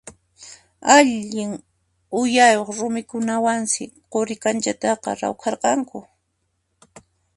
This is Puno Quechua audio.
Allin uyayuq rumikunawansi Quri kanchataqa rawkharqanku.